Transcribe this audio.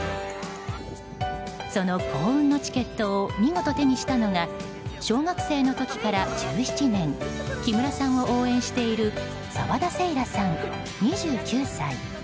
その幸運のチケットを見事手にしたのが小学生の時から１７年木村さんを応援している澤田世来さん、２９歳。